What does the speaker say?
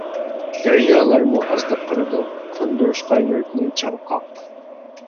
دەريالارمۇ ئازلىق قىلىدۇ، قاندۇرۇشقا يۈرەكنى چاڭقاق.